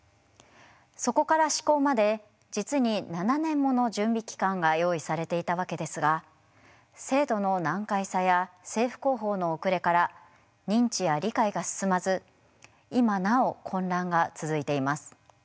そこから施行まで実に７年もの準備期間が用意されていたわけですが制度の難解さや政府広報の遅れから認知や理解が進まず今なお混乱が続いています。